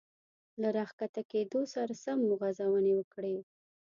له را ښکته کېدو سره سم مو غځونې وکړې.